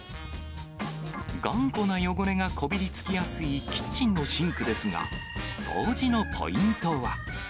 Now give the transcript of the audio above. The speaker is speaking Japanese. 頑固な汚れがこびりつきやすいキッチンのシンクですが、掃除のポイントは。